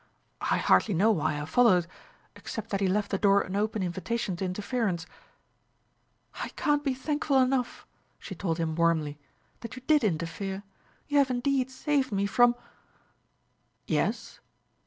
I hardly know why I followed, except that he left the door an open invitation to interference ..." "I can't be thankful enough," she told him warmly, "that you did interfere. You have indeed saved me from ..." "Yes?"